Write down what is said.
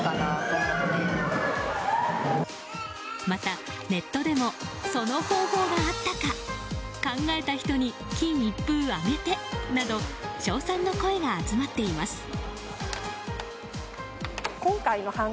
また、ネットでもその方法があったか・考えた人に金一封あげてなど称賛の声が集まっています。